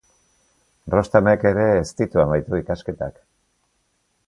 Rostam-ek ere ez ditu amaitu ikasketak.